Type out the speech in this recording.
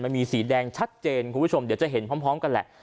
มันมีสีแดงชัดเจนคุณผู้ชมเดี๋ยวจะเห็นพร้อมกันแหละ